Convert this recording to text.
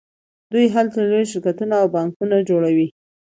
دوی هلته لوی شرکتونه او بانکونه جوړوي